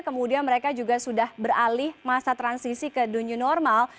kemudian mereka juga sudah beralih masa transisi ke dunia normal